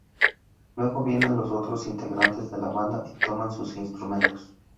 Luego vienen los otros integrantes de la banda y toman sus instrumentos.